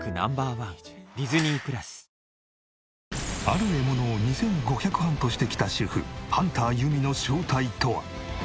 ある獲物を２５００ハントしてきた主婦ハンターゆみの正体とは？